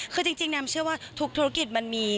คือจริงแนมเชื่อว่าทุกธุรกิจมันมี